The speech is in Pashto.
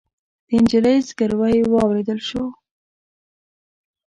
د نجلۍ زګيروی واورېدل شو.